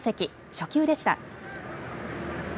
初球でした。